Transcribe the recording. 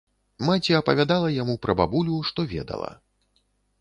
Маці апавядала яму пра бабулю, што ведала.